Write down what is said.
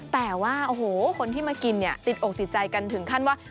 แต่ว่าโอ้โหคนที่มากินเนี่ยติดอกติดใจกันถึงขั้นว่า